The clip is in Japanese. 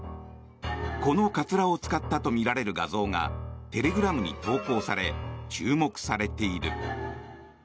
このかつらを使ったとみられる画像がテレグラムに投稿され注目されている。